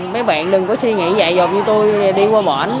mấy bạn đừng có suy nghĩ dạy dọc như tôi đi qua bển